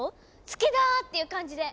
「好きだ！」っていう感じで。